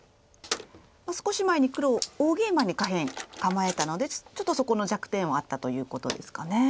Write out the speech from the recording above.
少し前に黒大ゲイマに下辺構えたのでちょっとそこの弱点はあったということですかね。